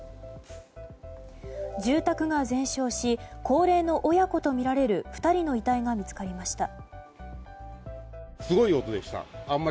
住宅が全焼し高齢の親子とみられる２人の遺体が見つかりました。